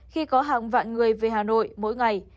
khi có hàng vạn người về hà nội mỗi ngày